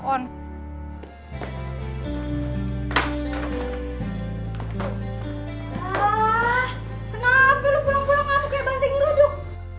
ah kenapa lo pulang pulang ngantuk kayak banting ruduk